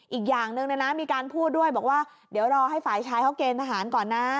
อีกอย่างหนึ่งมีการพูดด้วยบอกว่าเดี๋ยวรอให้ฝ่ายชายเขาเกณฑ์ทหารก่อนนะ